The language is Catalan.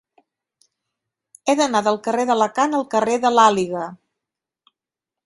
He d'anar del carrer d'Alacant al carrer de l'Àliga.